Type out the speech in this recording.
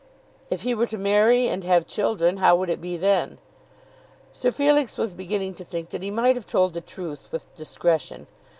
"If he were to marry and have children, how would it be then?" Sir Felix was beginning to think that he might have told the truth with discretion.